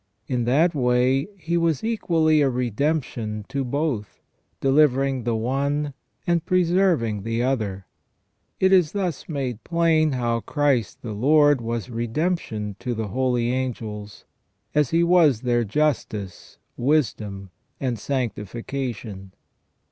In that way He was equally a redemption to both, delivering the one and preserving the other. It is thus made plain how Christ the Lord was redemption to the holy angels, as He was their justice, wisdom, and sanctification."